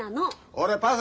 俺パス。